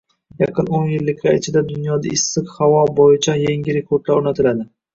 Yaqin o‘n yilliklar ichida dunyoda issiq havo bo‘yicha yangi rekordlar o‘rnatiladi